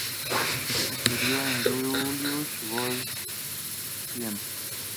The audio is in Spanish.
Estudió con Julius Goldstein.